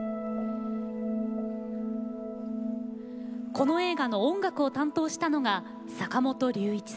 この映画の音楽を担当したのが坂本龍一さん。